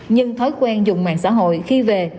nhưng thói quen dùng mạng xã hội khi về